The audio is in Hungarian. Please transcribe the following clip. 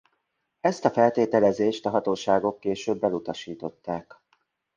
Ezt a feltételezést a hatóságok később elutasították.